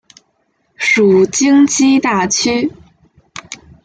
属京畿大区。